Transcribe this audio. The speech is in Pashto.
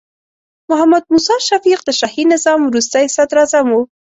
محمد موسی شفیق د شاهي نظام وروستې صدراعظم و.